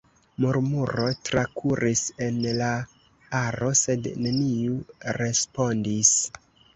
Murmuro trakuris en la aro, sed neniu respondis.